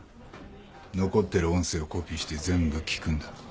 残ってる音声をコピーして全部聞くんだ。